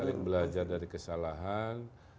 saling belajar dari kesalahan